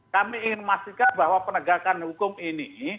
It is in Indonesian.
kami ingin memastikan bahwa penegakan hukum ini